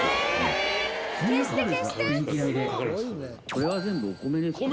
これは全部お米ですか？